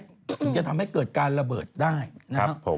ถึงจะทำให้เกิดการระเบิดได้นะครับผม